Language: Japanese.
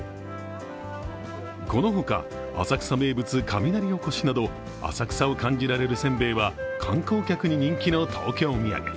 このほか、浅草名物かみなりおこしなど浅草を感じられる煎餅は観光客に人気の東京土産。